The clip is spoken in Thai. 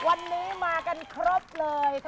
วันนี้มากันครบเลย